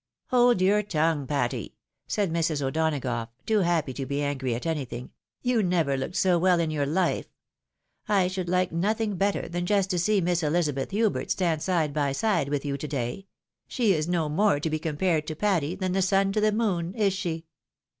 " Hold your tongue, Patty," said Mrs. O'Donagough, too happy to be angry at anything ;" you never looked so well in your life. I should hke nothing better than just to see Miss Ehzabeth Hubert stand side by side with you, to day ; she is no more to be compared to Patty, than the sun to the moon — ^is she